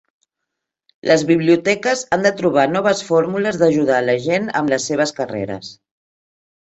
Les biblioteques han de trobar noves fórmules d'ajudar la gent amb les seves carreres.